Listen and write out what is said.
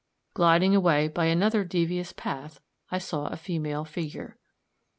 Gliding away by another devious path, I saw a female figure.